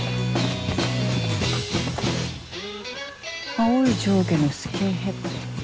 青い上下のスキンヘッド。